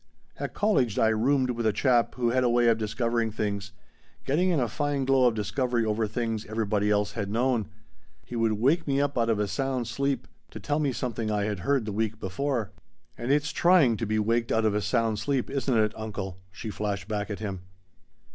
"At college I roomed with a chap who had a way of discovering things, getting in a fine glow of discovery over things everybody else had known. He would wake me out of a sound sleep to tell me something I had heard the week before." "And it's trying to be waked out of a sound sleep, isn't it, uncle?" she flashed back at him.